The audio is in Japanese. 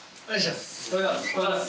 おはようございます。